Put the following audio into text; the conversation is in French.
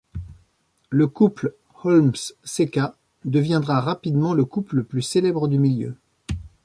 Le couple Holmes-Seka deviendra rapidement le couple le plus célèbre du milieu.